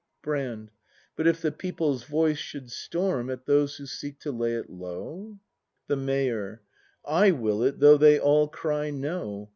Brand. But if the people's voice should storm At those who seek to lay it low —? The Mayor. / will it though they all cry No.